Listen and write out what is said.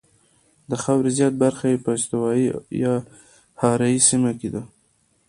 د خاورې زیاته برخه یې په استوایي یا حاره یې سیمه کې ده.